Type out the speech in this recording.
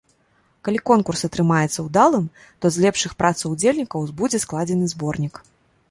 Калі конкурс атрымаецца ўдалым, то з лепшых працаў удзельнікаў будзе складзены зборнік.